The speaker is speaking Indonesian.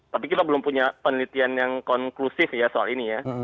tapi kita belum punya penelitian yang konklusif ya soal ini ya